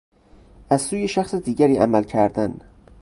از سوی شخص دیگری عمل کردن